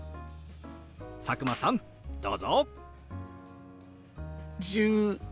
佐久間さんどうぞ！１１。